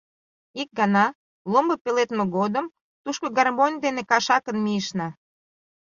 Икана, ломбо пеледме годым, тушко гармонь дене кашакын мийышна.